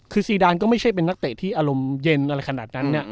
คือซีดานก็ไม่ใช่เป็นนักเตะที่อารมณ์เย็นอะไรขนาดนั้นเนี่ย